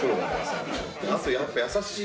あとやっぱ優しい。